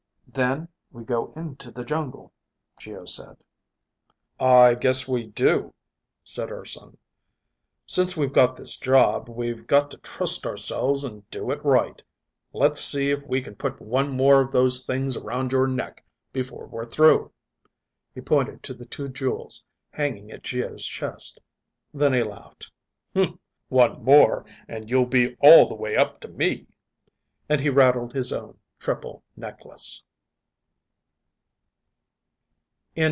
"Then we go on into the jungle," Geo said. "I guess we do," said Urson. "Since we've got this job, we've got to trust ourselves and do it right. Let's see if we can put one more of those things around your neck before we're through." He pointed to the two jewels hanging at Geo's chest. Then he laughed. "One more and you'll be all the way up to me," and he rattled his own triple necklace.